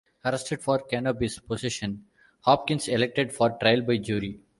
Arrested for cannabis possession, Hopkins elected for trial by jury.